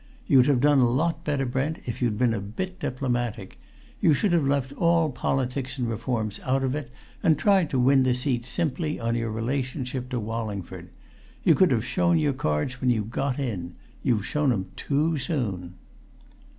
You'd have done a lot better, Brent, if you'd been a bit diplomatic. You should have left all politics and reforms out of it, and tried to win the seat simply on your relationship to Wallingford. You could have shown your cards when you'd got in you've shown 'em too soon!"